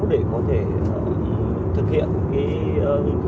để có thể thực hiện